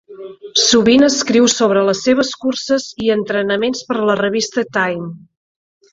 Sovint escriu sobre les seves curses i entrenaments per a la revista "Time".